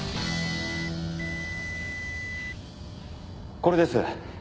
これです。